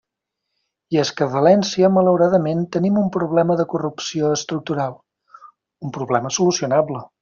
I és que a València, malauradament, tenim un problema de corrupció estructural —un problema solucionable.